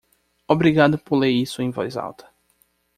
Obrigado por ler isso em voz alta.